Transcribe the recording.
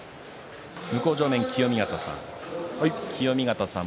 向正面の清見潟さん